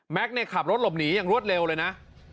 ขับรถหลบหนีอย่างรวดเร็วเลยนะ